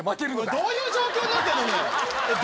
どういう状況になってるんだ、く